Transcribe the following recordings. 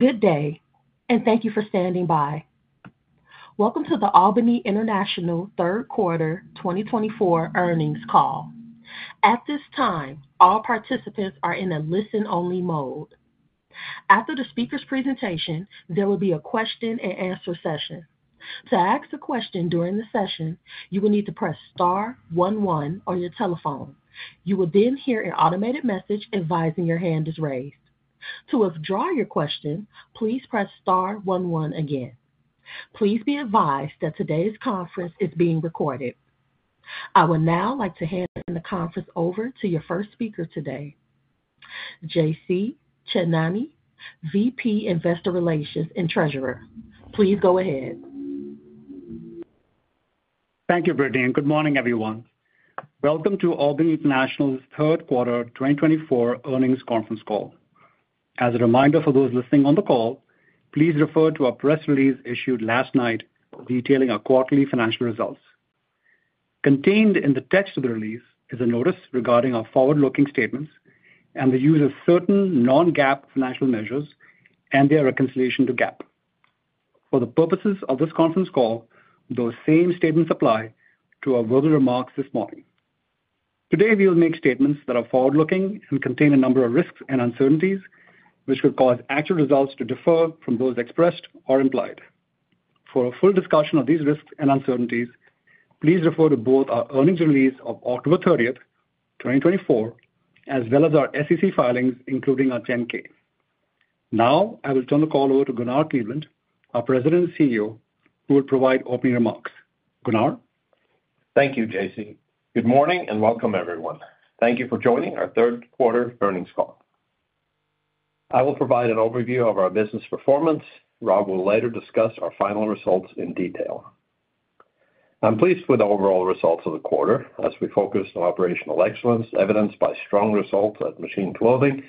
Good day, and thank you for standing by. Welcome to the Albany International Third Quarter 2024 earnings call. At this time, all participants are in a listen-only mode. After the speaker's presentation, there will be a question-and-answer session. To ask a question during the session, you will need to press Star one one on your telephone. You will then hear an automated message advising your hand is raised. To withdraw your question, please press Star one one again. Please be advised that today's conference is being recorded. I would now like to hand the conference over to your first speaker today, JC Chetnani, VP Investor Relations and Treasurer. Please go ahead. Thank you, Brittany, and good morning, everyone. Welcome to Albany International's Third Quarter 2024 earnings conference call. As a reminder for those listening on the call, please refer to our press release issued last night detailing our quarterly financial results. Contained in the text of the release is a notice regarding our forward-looking statements and the use of certain non-GAAP financial measures and their reconciliation to GAAP. For the purposes of this conference call, those same statements apply to our verbal remarks this morning. Today, we will make statements that are forward-looking and contain a number of risks and uncertainties, which could cause actual results to differ from those expressed or implied. For a full discussion of these risks and uncertainties, please refer to both our earnings release of October 30th, 2024, as well as our SEC filings, including our 10-K. Now, I will turn the call over to Gunnar Kleveland, our President and CEO, who will provide opening remarks. Gunnar. Thank you, JC. Good morning and welcome, everyone. Thank you for joining our Third Quarter earnings call. I will provide an overview of our business performance. Rob will later discuss our final results in detail. I'm pleased with the overall results of the quarter, as we focused on operational excellence evidenced by strong results at Machine Clothing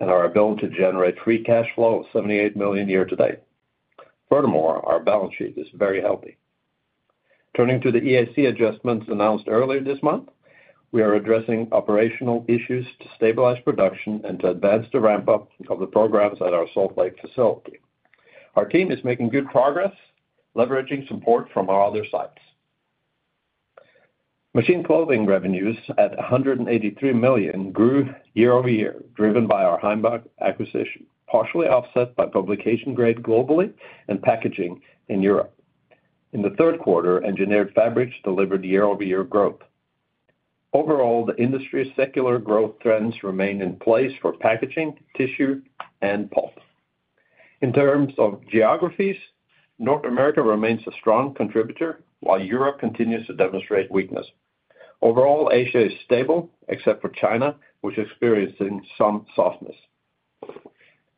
and our ability to generate free cash flow of $78 million year-to-date. Furthermore, our balance sheet is very healthy. Turning to the EAC adjustments announced earlier this month, we are addressing operational issues to stabilize production and to advance the ramp-up of the programs at our Salt Lake facility. Our team is making good progress, leveraging support from our other sites. Machine Clothing revenues at $183 million grew year-over-year, driven by our Heimbach acquisition, partially offset by publication grade globally and packaging in Europe. In the third quarter, engineered fabrics delivered year-over-year growth. Overall, the industry's secular growth trends remain in place for packaging, tissue, and pulp. In terms of geographies, North America remains a strong contributor, while Europe continues to demonstrate weakness. Overall, Asia is stable, except for China, which is experiencing some softness.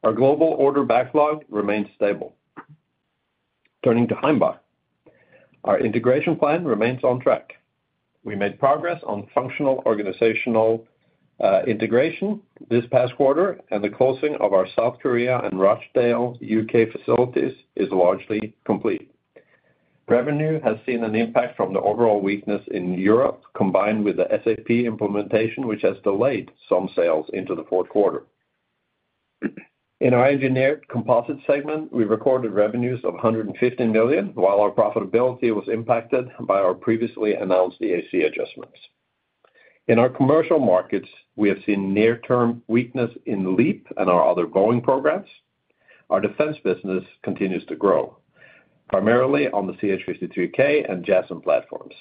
Our global order backlog remains stable. Turning to Heimbach, our integration plan remains on track. We made progress on functional organizational integration this past quarter, and the closing of our South Korea and Rochdale, U.K. facilities is largely complete. Revenue has seen an impact from the overall weakness in Europe, combined with the SAP implementation, which has delayed some sales into the fourth quarter. In our Engineered Composites segment, we recorded revenues of $150 million, while our profitability was impacted by our previously announced EAC adjustments. In our commercial markets, we have seen near-term weakness in LEAP and our other Boeing programs. Our defense business continues to grow, primarily on the CH-53K and JASSM platforms.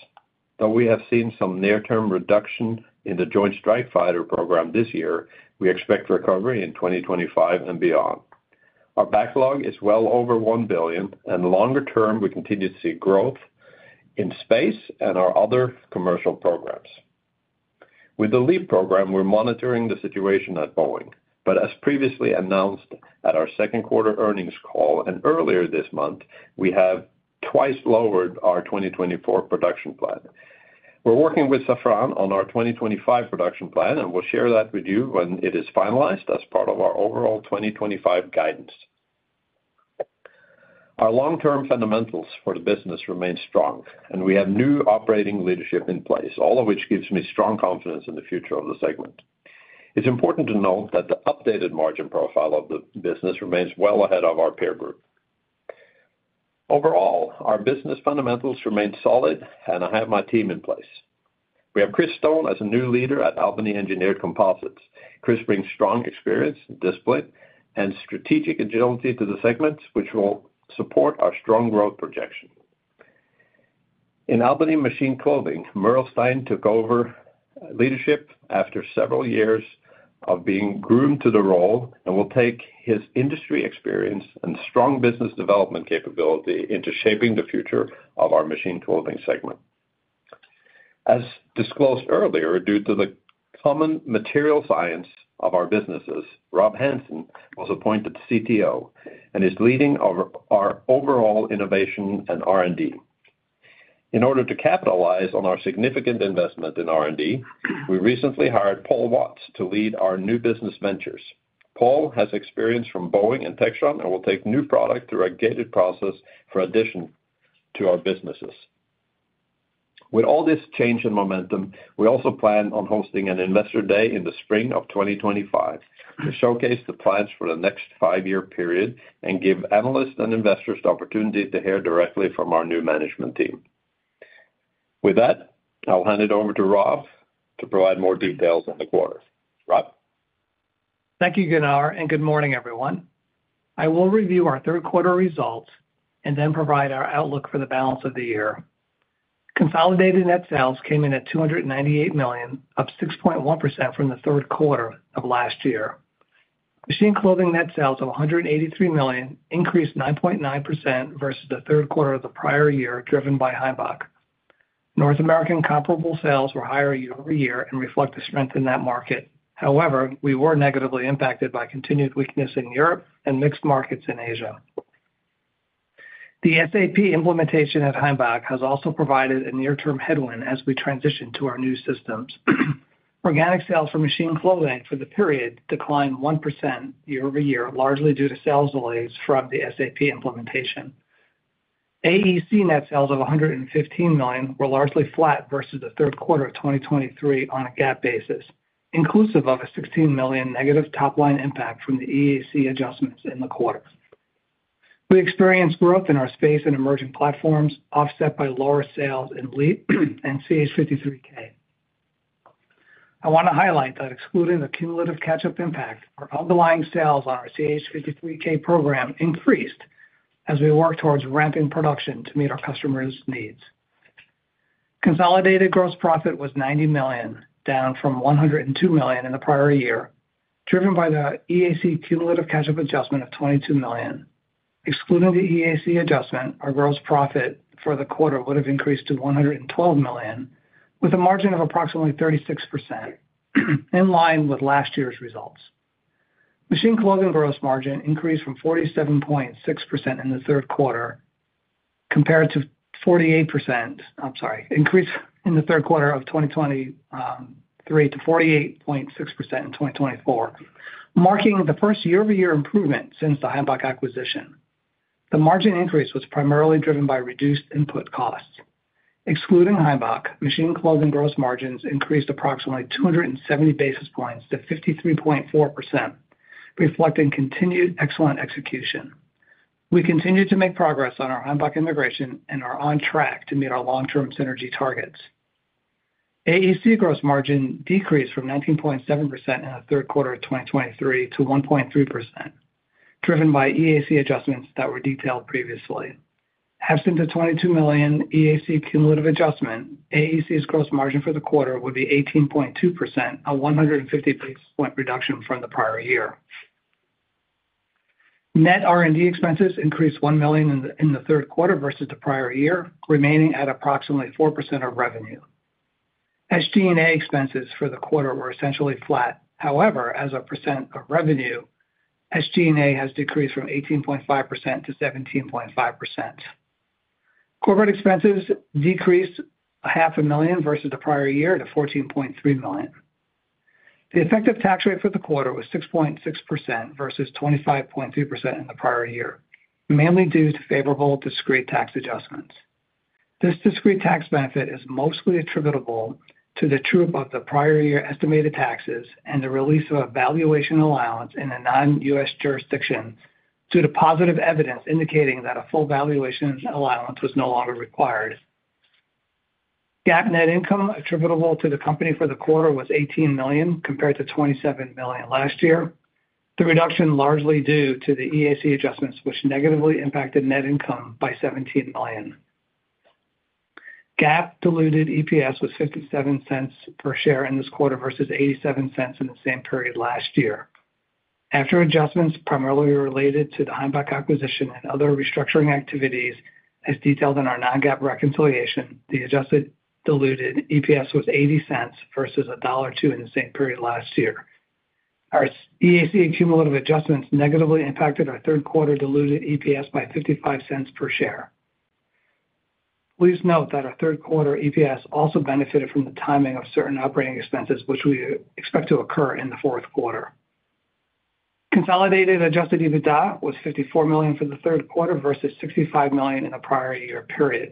Though we have seen some near-term reduction in the Joint Strike Fighter program this year, we expect recovery in 2025 and beyond. Our backlog is well over $1 billion, and longer-term, we continue to see growth in space and our other commercial programs. With the LEAP program, we're monitoring the situation at Boeing. But as previously announced at our second quarter earnings call and earlier this month, we have twice lowered our 2024 production plan. We're working with Safran on our 2025 production plan, and we'll share that with you when it is finalized as part of our overall 2025 guidance. Our long-term fundamentals for the business remain strong, and we have new operating leadership in place, all of which gives me strong confidence in the future of the segment. It's important to note that the updated margin profile of the business remains well ahead of our peer group. Overall, our business fundamentals remain solid, and I have my team in place. We have Chris Stone as a new leader at Albany Engineered Composites. Chris brings strong experience, discipline, and strategic agility to the segments, which will support our strong growth projection. In Albany Machine Clothing, Merle Stein took over leadership after several years of being groomed to the role and will take his industry experience and strong business development capability into shaping the future of our Machine Clothing segment. As disclosed earlier, due to the common materials science of our businesses, Rob Hansen was appointed CTO and is leading our overall innovation and R&D. In order to capitalize on our significant investment in R&D, we recently hired Paul Watts to lead our new business ventures. Paul has experience from Boeing and Textron and will take new product through a gated process for addition to our businesses. With all this change in momentum, we also plan on hosting an investor day in the spring of 2025 to showcase the plans for the next five-year period and give analysts and investors the opportunity to hear directly from our new management team. With that, I'll hand it over to Rob to provide more details in the quarter. Rob. Thank you, Gunnar, and good morning, everyone. I will review our third quarter results and then provide our outlook for the balance of the year. Consolidated net sales came in at $298 million, up 6.1% from the third quarter of last year. Machine clothing net sales of $183 million increased 9.9% versus the third quarter of the prior year, driven by Heimbach. North American comparable sales were higher year-over-year and reflect a strength in that market. However, we were negatively impacted by continued weakness in Europe and mixed markets in Asia. The SAP implementation at Heimbach has also provided a near-term headwind as we transition to our new systems. Organic sales for machine clothing for the period declined 1% year-over-year, largely due to sales delays from the SAP implementation. AEC net sales of $115 million were largely flat versus the third quarter of 2023 on a GAAP basis, inclusive of a $16 million negative top-line impact from the EAC adjustments in the quarter. We experienced growth in our space and emerging platforms, offset by lower sales in LEAP and CH-53K. I want to highlight that excluding the cumulative catch-up impact, our underlying sales on our CH-53K program increased as we work towards ramping production to meet our customers' needs. Consolidated gross profit was $90 million, down from $102 million in the prior year, driven by the EAC cumulative catch-up adjustment of $22 million. Excluding the EAC adjustment, our gross profit for the quarter would have increased to $112 million, with a margin of approximately 36%, in line with last year's results. Machine clothing gross margin increased from 47.6% in the third quarter compared to 48%, I'm sorry, increased in the third quarter of 2023 to 48.6% in 2024, marking the first year-over-year improvement since the Heimbach acquisition. The margin increase was primarily driven by reduced input costs. Excluding Heimbach, machine clothing gross margins increased approximately 270 basis points to 53.4%, reflecting continued excellent execution. We continue to make progress on our Heimbach integration and are on track to meet our long-term synergy targets. AEC gross margin decreased from 19.7% in the third quarter of 2023 to 1.3%, driven by EAC adjustments that were detailed previously. Absent the $22 million EAC cumulative adjustment, AEC's gross margin for the quarter would be 18.2%, a 150 basis point reduction from the prior year. Net R&D expenses increased $1 million in the third quarter versus the prior year, remaining at approximately 4% of revenue. SG&A expenses for the quarter were essentially flat. However, as a percent of revenue, SG&A has decreased from 18.5% to 17.5%. Corporate expenses decreased $500,000 versus the prior year to $14.3 million. The effective tax rate for the quarter was 6.6% versus 25.3% in the prior year, mainly due to favorable discrete tax adjustments. This discrete tax benefit is mostly attributable to the true-up of the prior year estimated taxes and the release of a valuation allowance in a non-U.S. jurisdiction due to positive evidence indicating that a full valuation allowance was no longer required. GAAP net income attributable to the company for the quarter was $18 million compared to $27 million last year. The reduction is largely due to the EAC adjustments, which negatively impacted net income by $17 million. GAAP diluted EPS was $0.57 per share in this quarter versus $0.87 in the same period last year. After adjustments primarily related to the Heimbach acquisition and other restructuring activities, as detailed in our non-GAAP reconciliation, the adjusted diluted EPS was $0.80 versus $1.02 in the same period last year. Our EAC cumulative adjustments negatively impacted our third quarter diluted EPS by $0.55 per share. Please note that our third quarter EPS also benefited from the timing of certain operating expenses, which we expect to occur in the fourth quarter. Consolidated adjusted EBITDA was $54 million for the third quarter versus $65 million in the prior year period.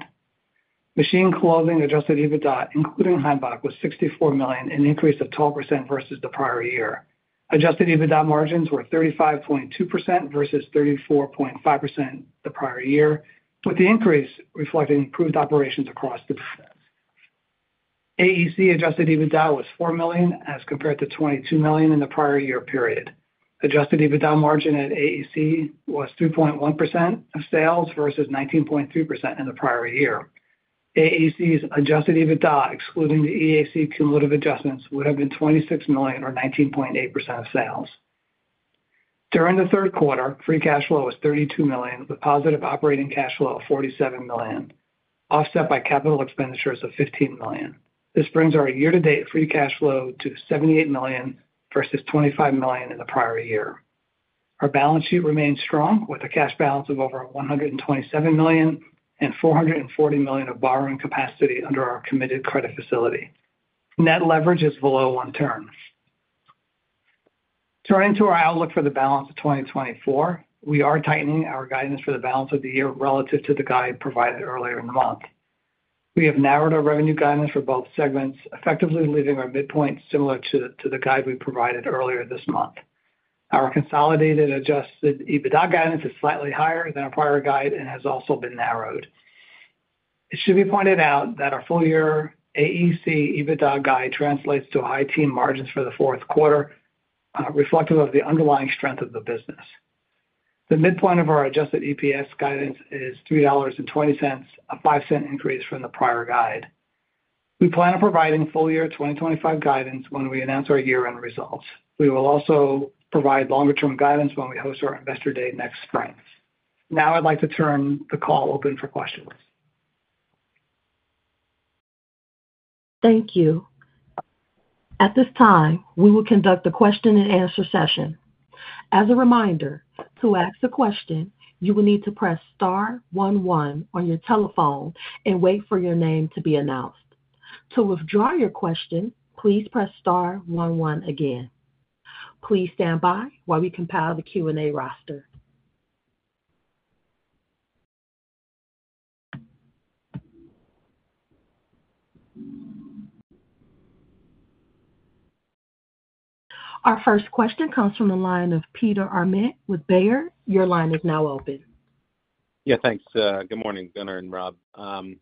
Machine clothing adjusted EBITDA, including Heimbach, was $64 million, an increase of 12% versus the prior year. Adjusted EBITDA margins were 35.2% versus 34.5% the prior year, with the increase reflecting improved operations across the business. AEC adjusted EBITDA was $4 million as compared to $22 million in the prior year period. Adjusted EBITDA margin at AEC was 3.1% of sales versus 19.3% in the prior year. AEC's adjusted EBITDA, excluding the EAC cumulative adjustments, would have been $26 million or 19.8% of sales. During the third quarter, free cash flow was $32 million, with positive operating cash flow of $47 million, offset by capital expenditures of $15 million. This brings our year-to-date free cash flow to $78 million versus $25 million in the prior year. Our balance sheet remains strong, with a cash balance of over $127 million and $440 million of borrowing capacity under our committed credit facility. Net leverage is below one turn. Turning to our outlook for the balance of 2024, we are tightening our guidance for the balance of the year relative to the guide provided earlier in the month. We have narrowed our revenue guidance for both segments, effectively leaving our midpoint similar to the guide we provided earlier this month. Our consolidated adjusted EBITDA guidance is slightly higher than our prior guide and has also been narrowed. It should be pointed out that our full-year AEC EBITDA guide translates to high-teens margins for the fourth quarter, reflective of the underlying strength of the business. The midpoint of our adjusted EPS guidance is $3.20, a 5% increase from the prior guide. We plan on providing full-year 2025 guidance when we announce our year-end results. We will also provide longer-term guidance when we host our investor day next spring. Now I'd like to turn the call over for questions. Thank you. At this time, we will conduct the question-and-answer session. As a reminder, to ask a question, you will need to press star one one on your telephone and wait for your name to be announced. To withdraw your question, please press star one one again. Please stand by while we compile the Q&A roster. Our first question comes from the line of Peter Arment with Baird. Your line is now open. Yeah, thanks. Good morning, Gunnar and Rob. Gunnar,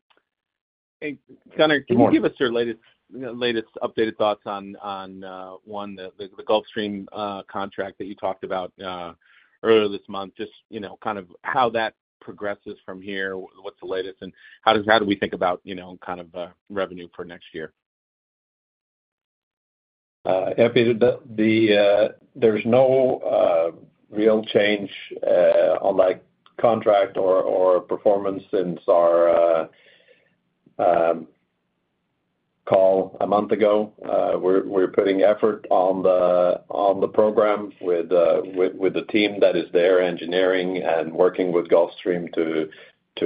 can you give us your latest updated thoughts on the Gulfstream contract that you talked about earlier this month, just, you know, kind of how that progresses from here, what's the latest, and how do we think about, you know, kind of, revenue for next year? Yeah, Peter, there's no real change on, like, contract or performance since our call a month ago. We're putting effort on the program with the team that is there engineering and working with Gulfstream to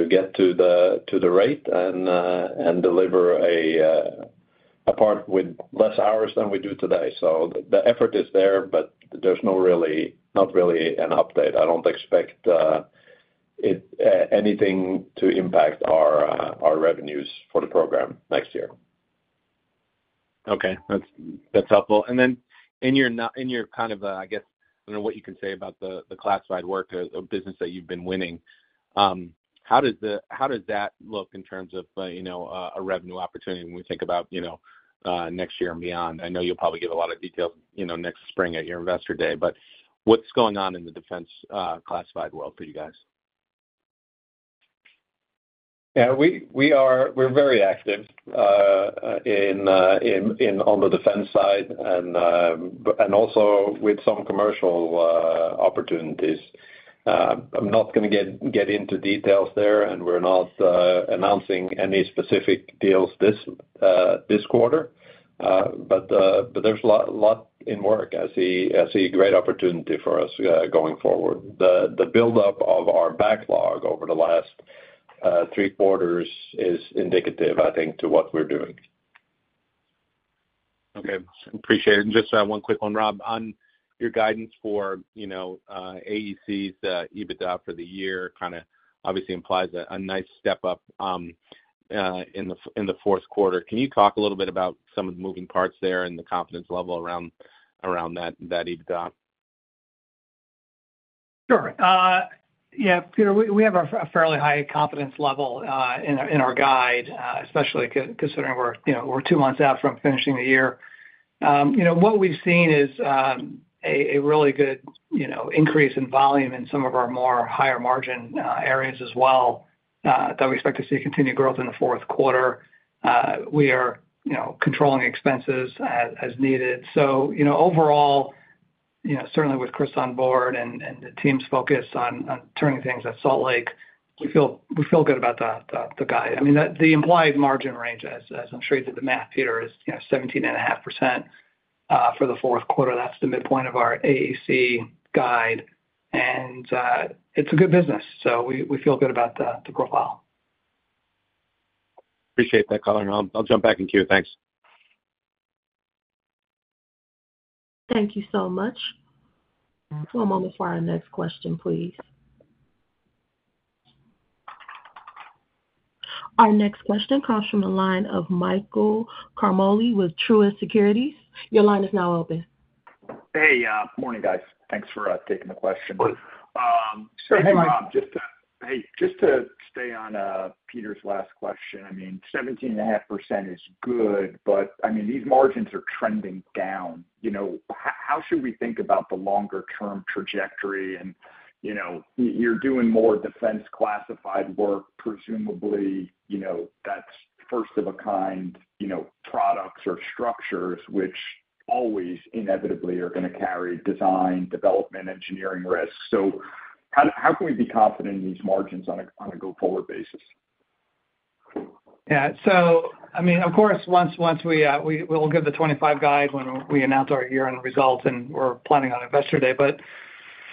get to the rate and deliver a part with less hours than we do today. So the effort is there, but there's no real update. I don't expect anything to impact our revenues for the program next year. Okay. That's helpful. And then in your kind of, I guess, I don't know what you can say about the classified work or the business that you've been winning. How does that look in terms of, you know, a revenue opportunity when we think about, you know, next year and beyond? I know you'll probably give a lot of details, you know, next spring at your investor day, but what's going on in the defense, classified world for you guys? Yeah, we are very active in on the defense side and also with some commercial opportunities. I'm not going to get into details there, and we're not announcing any specific deals this quarter. But there's a lot in work. I see a great opportunity for us going forward. The buildup of our backlog over the last three quarters is indicative, I think, to what we're doing. Okay. Appreciate it. And just one quick one, Rob, on your guidance for, you know, AEC's EBITDA for the year kind of obviously implies a nice step up in the fourth quarter. Can you talk a little bit about some of the moving parts there and the confidence level around that EBITDA? Sure. Yeah, Peter, we have a fairly high confidence level in our guide, especially considering we're, you know, we're two months out from finishing the year. You know, what we've seen is a really good, you know, increase in volume in some of our more higher margin areas as well, that we expect to see continued growth in the fourth quarter. We are, you know, controlling expenses as needed. So, you know, overall, you know, certainly with Chris on board and the team's focus on turning things at Salt Lake, we feel good about the guide. I mean, the implied margin range, as I'm sure you did the math, Peter, is, you know, 17.5% for the fourth quarter. That's the midpoint of our AEC guide. And it's a good business. So we feel good about the profile. Appreciate that, Colin. I'll jump back in queue. Thanks. Thank you so much. One moment for our next question, please. Our next question comes from the line of Michael Ciarmoli with Truist Securities. Your line is now open. Hey, morning, guys. Thanks for taking the question. Hey, Mike. Just to, hey, just to stay on Peter's last question, I mean, 17.5% is good, but I mean, these margins are trending down. You know, how should we think about the longer-term trajectory? And, you know, you're doing more defense classified work, presumably, you know, that's first-of-a-kind products or structures, which always inevitably are going to carry design, development, engineering risk. So how can we be confident in these margins on a go-forward basis? Yeah. So, I mean, of course, once we will give the 2025 guide when we announce our year-end results and we're planning on investor day. But,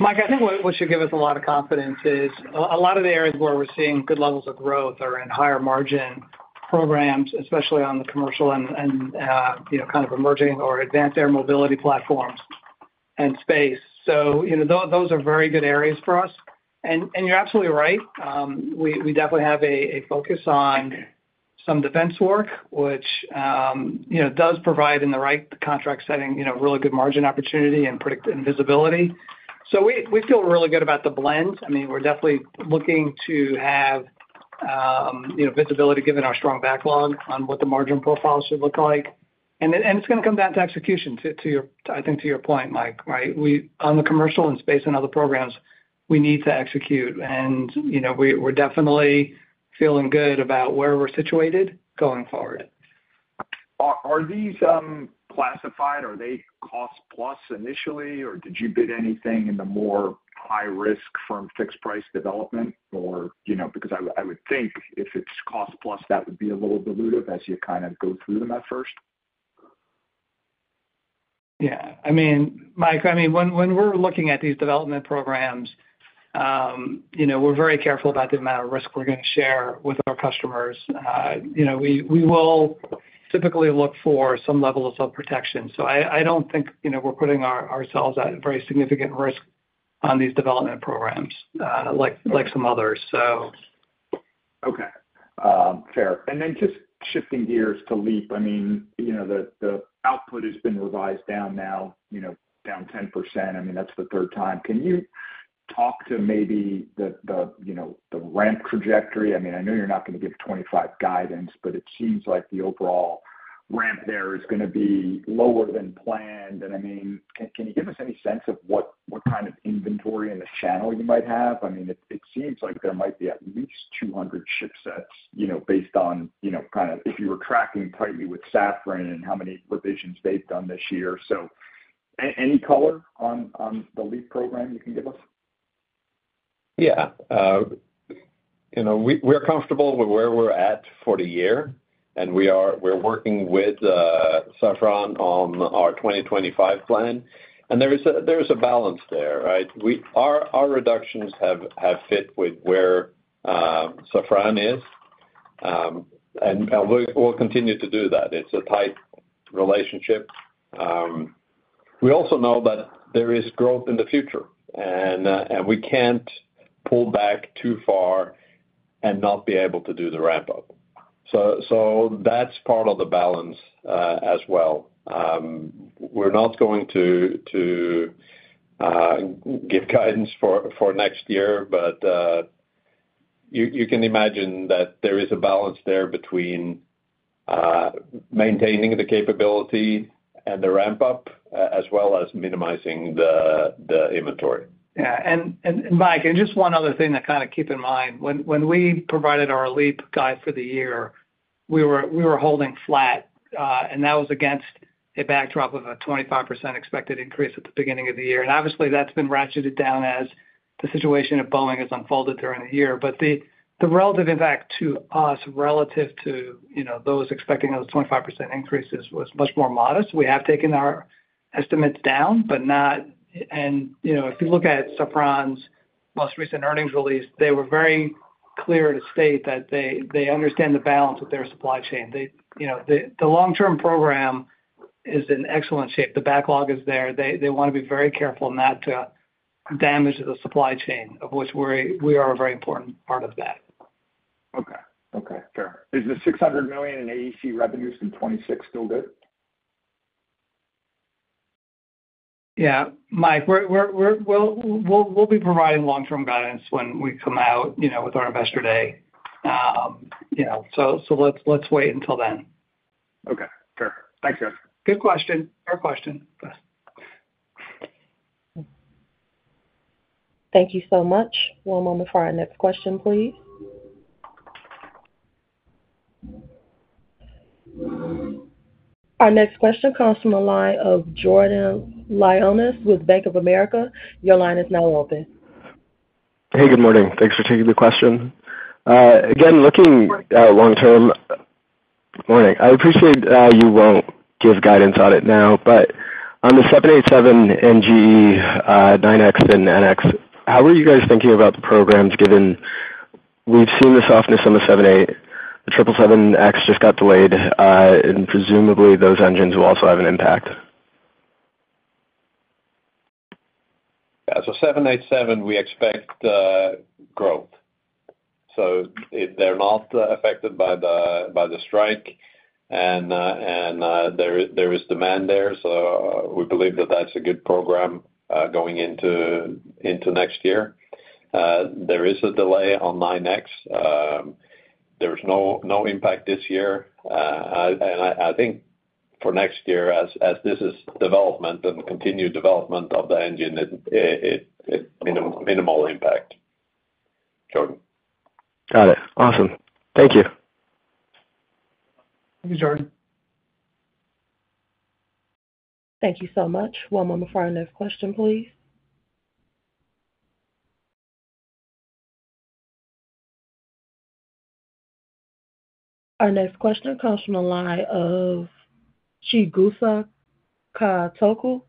Mike, I think what should give us a lot of confidence is a lot of the areas where we're seeing good levels of growth are in higher-margin programs, especially on the commercial and, you know, kind of emerging or advanced air mobility platforms and space. So, you know, those are very good areas for us. And you're absolutely right. We definitely have a focus on some defense work, which, you know, does provide in the right contract setting, you know, really good margin opportunity and predictability and visibility. So we feel really good about the blend. I mean, we're definitely looking to have, you know, visibility given our strong backlog on what the margin profile should look like. And it's going to come down to execution to your, I think, to your point, Mike, right? We, on the commercial and space and other programs, we need to execute. And, you know, we, we're definitely feeling good about where we're situated going forward. Are these classified? Are they cost-plus initially, or did you bid anything in the more high-risk firm fixed-price development or, you know, because I would think if it's cost-plus, that would be a little dilutive as you kind of go through them at first? Yeah. I mean, Mike, when we're looking at these development programs, you know, we're very careful about the amount of risk we're going to share with our customers. You know, we will typically look for some level of self-protection. So I don't think, you know, we're putting ourselves at very significant risk on these development programs, like some others. So. Okay, fair. And then just shifting gears to LEAP, I mean, you know, the output has been revised down now, you know, down 10%. I mean, that's the third time. Can you talk to maybe the ramp trajectory? I mean, I know you're not going to give 2025 guidance, but it seems like the overall ramp there is going to be lower than planned. And I mean, can you give us any sense of what kind of inventory in the channel you might have? I mean, it seems like there might be at least 200 shipsets, you know, based on, you know, kind of if you were tracking tightly with Safran and how many revisions they've done this year. So any color on the LEAP program you can give us? Yeah. You know, we're comfortable with where we're at for the year, and we're working with Safran on our 2025 plan. There is a balance there, right? Our reductions have fit with where Safran is, and we'll continue to do that. It's a tight relationship. We also know that there is growth in the future, and we can't pull back too far and not be able to do the ramp-up. So that's part of the balance, as well. We're not going to give guidance for next year, but you can imagine that there is a balance there between maintaining the capability and the ramp-up, as well as minimizing the inventory. Yeah. And, Mike, just one other thing to kind of keep in mind. When we provided our LEAP guide for the year, we were holding flat, and that was against a backdrop of a 25% expected increase at the beginning of the year. And obviously, that's been ratcheted down as the situation at Boeing has unfolded during the year. But the relative impact to us relative to, you know, those expecting those 25% increases was much more modest. We have taken our estimates down, but not and, you know, if you look at Safran's most recent earnings release, they were very clear to state that they understand the balance of their supply chain. They, you know, the long-term program is in excellent shape. The backlog is there. They want to be very careful not to damage the supply chain, of which we are a very important part of that. Okay. Fair. Is the $600 million in AEC revenues from 2026 still good? Yeah. Mike, we're providing long-term guidance when we come out, you know, with our investor day. You know, so let's wait until then. Okay. Fair. Thanks, guys. Good question. Fair question. Thank you so much. One moment for our next question, please. Our next question comes from the line of Jordan Lyonnais with Bank of America. Your line is now open. Hey, good morning. Thanks for taking the question. Again, looking long-term, I appreciate you won't give guidance on it now, but on the 787, the GE9X and 777X, how are you guys thinking about the programs given we've seen the softness on the 787? The 777X just got delayed, and presumably those engines will also have an impact. Yeah. So 787, we expect growth. So they're not affected by the strike. And there is demand there. So we believe that that's a good program, going into next year. There is a delay on 9X. There was no impact this year. And I think for next year, as this is development and continued development of the engine, it minimal impact. Jordan. Got it. Awesome. Thank you. Thank you, Jordan. Thank you so much. One moment for our next question, please. Our next question comes from the line of Chigusa Katoku,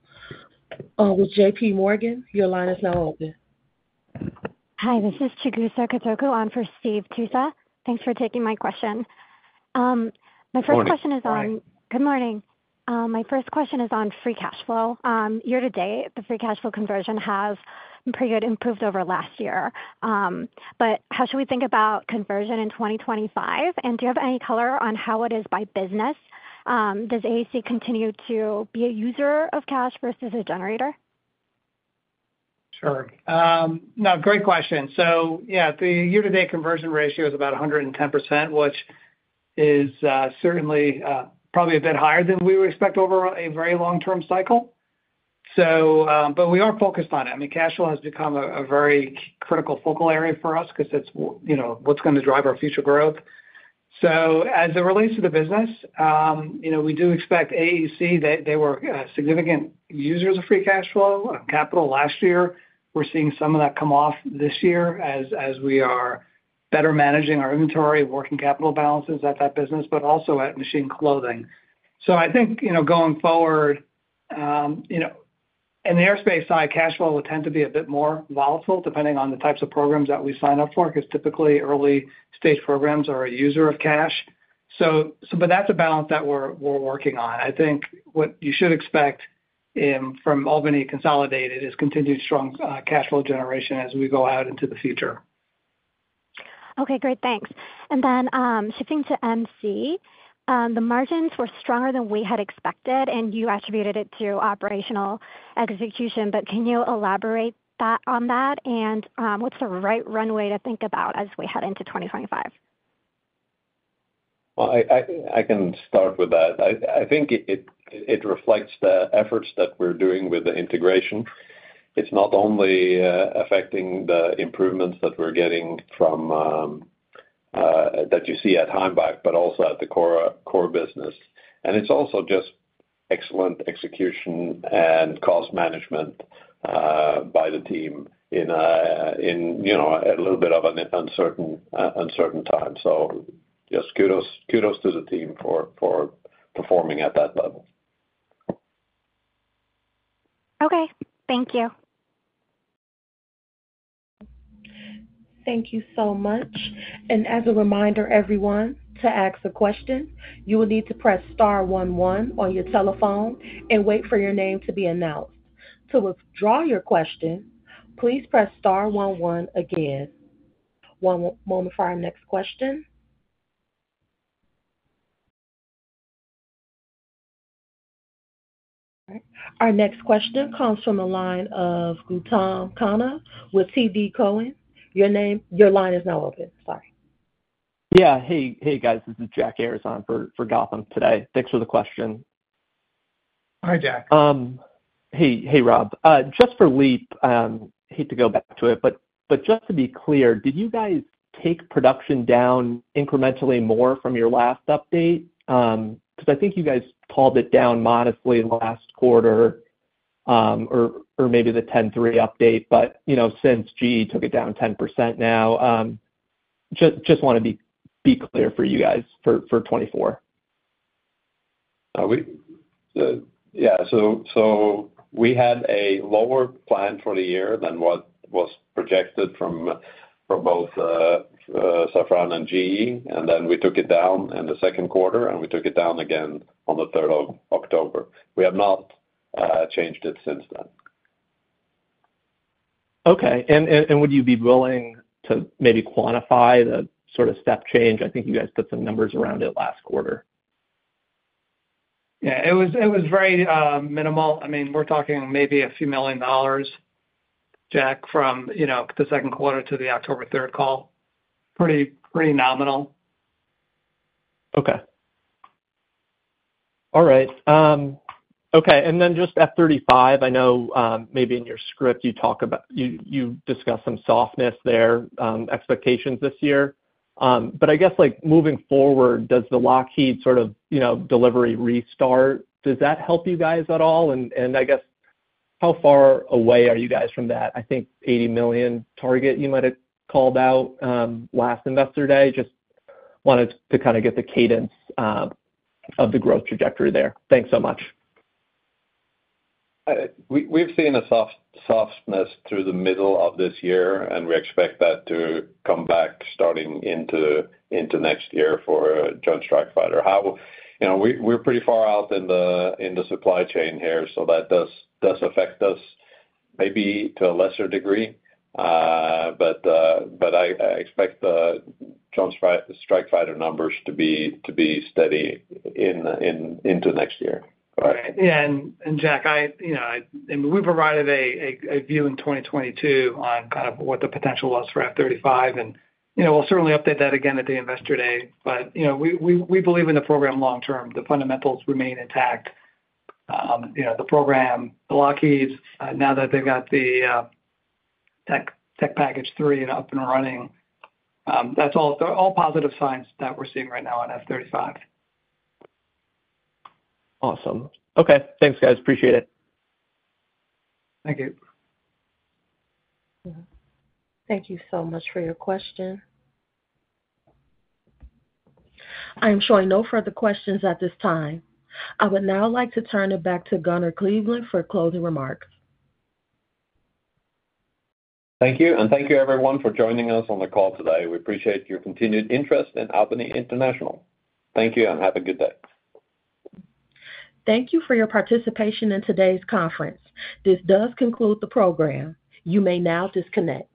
with JPMorgan. Your line is now open. Hi. This is Chigusa Katoku on for Steve Tussa. Thanks for taking my question. My first question is on. Good morning. Good morning. My first question is on free cash flow. Year to date, the free cash flow conversion has pretty good improved over last year. But how should we think about conversion in 2025? And do you have any color on how it is by business? Does AEC continue to be a user of cash versus a generator? Sure. No, great question. So yeah, the year-to-date conversion ratio is about 110%, which is certainly probably a bit higher than we would expect over a very long-term cycle. So, but we are focused on it. I mean, cash flow has become a very critical focal area for us because it's, you know, what's going to drive our future growth. So as it relates to the business, you know, we do expect AEC. They were significant users of free cash flow and capital last year. We're seeing some of that come off this year as we are better managing our inventory, working capital balances at that business, but also at machine clothing. So I think, you know, going forward, you know, in the aerospace side, cash flow will tend to be a bit more volatile depending on the types of programs that we sign up for because typically early-stage programs are a user of cash. But that's a balance that we're working on. I think what you should expect from Albany Consolidated is continued strong cash flow generation as we go out into the future. Okay. Great. Thanks. And then, shifting to MC, the margins were stronger than we had expected, and you attributed it to operational execution. But can you elaborate on that? And, what's the right runway to think about as we head into 2025? I can start with that. I think it reflects the efforts that we're doing with the integration. It's not only affecting the improvements that we're getting from that you see at Heimbach, but also at the core business. And it's also just excellent execution and cost management by the team in you know a little bit of an uncertain time. So just kudos to the team for performing at that level. Okay. Thank you. Thank you so much, and as a reminder, everyone, to ask a question, you will need to press star one one on your telephone and wait for your name to be announced. To withdraw your question, please press star one one again. One moment for our next question. All right. Our next question comes from the line of Gautam Khanna with TD Cowen. Your name, your line is now open. Sorry. Yeah. Hey, hey, guys. This is Jack Ayvazian for Gautam today. Thanks for the question. Hi, Jack. Hey, Rob. Just for LEAP, hate to go back to it, but just to be clear, did you guys take production down incrementally more from your last update? Because I think you guys called it down modestly last quarter, or maybe the Q3 update, but you know, since GE took it down 10% now, just want to be clear for you guys for 2024. Yeah. So we had a lower plan for the year than what was projected from both Safran and GE, and then we took it down in the second quarter, and we took it down again on the 3rd of October. We have not changed it since then. Okay. And would you be willing to maybe quantify the sort of step change? I think you guys put some numbers around it last quarter. Yeah. It was very minimal. I mean, we're talking maybe a few million dollars, Jack, from, you know, the second quarter to the October 3rd call. Pretty nominal. Okay. All right. Then just F-35, I know, maybe in your script you talk about. You discuss some softness there, expectations this year. I guess, like, moving forward, does the Lockheed sort of, you know, delivery restart? Does that help you guys at all? I guess how far away are you guys from that? I think $80 million target you might have called out, last investor day. Just wanted to kind of get the cadence of the growth trajectory there. Thanks so much. We've seen softness through the middle of this year, and we expect that to come back starting into next year for the Joint Strike Fighter. You know, we're pretty far out in the supply chain here, so that does affect us maybe to a lesser degree. But I expect the Joint Strike Fighter numbers to be steady into next year. Right. Yeah. And, Jack, you know, I mean, we provided a view in 2022 on kind of what the potential was for F-35, and, you know, we'll certainly update that again at the investor day. But, you know, we believe in the program long-term. The fundamentals remain intact. You know, the program, Lockheed's, now that they've got the tech package three up and running, that's all positive signs that we're seeing right now on F-35. Awesome. Okay. Thanks, guys. Appreciate it. Thank you. Thank you so much for your question. I'm showing no further questions at this time. I would now like to turn it back to Gunnar Kleveland for closing remarks. Thank you. And thank you, everyone, for joining us on the call today. We appreciate your continued interest in Albany International. Thank you, and have a good day. Thank you for your participation in today's conference. This does conclude the program. You may now disconnect.